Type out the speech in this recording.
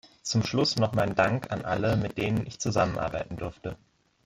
Zum Schluss noch mein Dank an alle, mit denen ich zusammenarbeiten durfte.